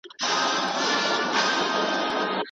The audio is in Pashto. خجالت پر ځان او نورو باندي باور څنګه خرابوي؟